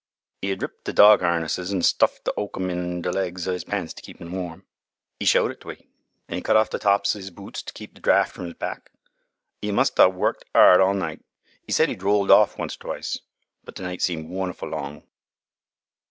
"'E 'ad ripped th' dog harnesses an' stuffed th' oakum in th' legs o' 'is pants to keep un warm. 'E showed it to we. An' 'e cut off th' tops o' 'is boots to keep th' draught from 'is back. 'E must 'a' worked 'ard all night. 'E said 'e droled off once or twice, but th' night seemed wonderfu' long.